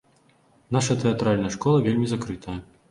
Наша тэатральная школа вельмі закрытая.